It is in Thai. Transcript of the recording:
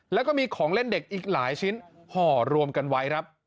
แล้วก็มีของเล่นเด็กอีกหลายชิ้นห่อรวมกันไว้ครับ